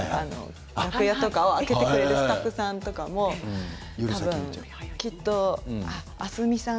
楽屋とかを開けてくれるスタッフさんとかもきっと明日海さん